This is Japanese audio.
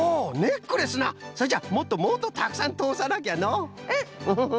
それじゃもっともっとたくさんとおさなきゃのう！うん！フフフ。